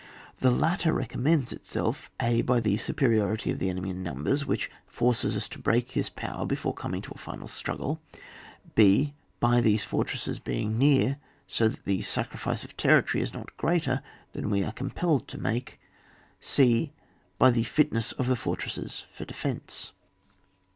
The latter recommends itself— a, by the superiority of the enemy in numbers, which forces us to break his power before coming to a final struggle. hf by these fortresses being near, so that the sacrifice of territory is not greater than we are compelled to make. c, by the fitness of the fortresses for de^ fence.